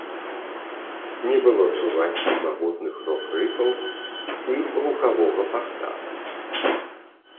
Не было чуваць магутных рок-рыфаў ці гукавога фарсажу.